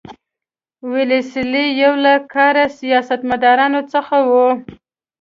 ویلسلي یو له کاري سیاستمدارانو څخه وو.